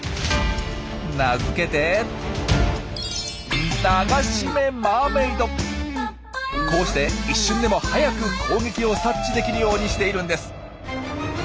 名付けてこうして一瞬でも早く攻撃を察知できるようにしているんです。